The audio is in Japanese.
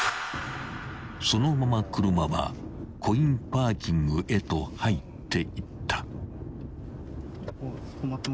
［そのまま車はコインパーキングへと入っていった］